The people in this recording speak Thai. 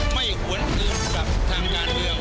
ไม่หวนอื่นกับทางงานเดียว